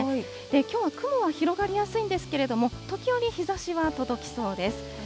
きょうは雲は広がりやすいんですけれども、時折日ざしは届きそうです。